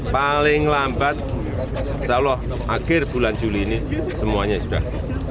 paling lambat insya allah akhir bulan juli ini semuanya sudah